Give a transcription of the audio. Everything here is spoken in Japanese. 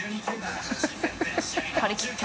張り切った。